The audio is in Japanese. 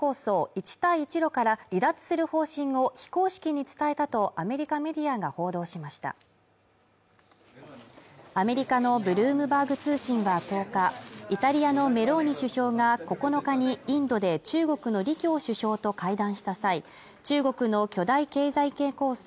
一帯一路から離脱する方針を非公式に伝えたとアメリカメディアが報道しましたアメリカのブルームバーグ通信は１０日イタリアのメローニ首相が９日にインドで中国の李強首相と会談した際中国の巨大経済圏構想